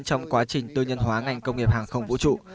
trong quá trình tư nhân hóa ngành công nghiệp hàng không vũ trụ